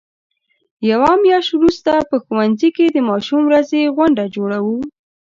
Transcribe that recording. یوه میاشت وروسته په ښوونځي کې د ماشوم ورځې غونډه جوړو.